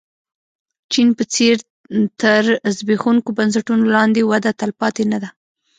چین په څېر تر زبېښونکو بنسټونو لاندې وده تلپاتې نه ده.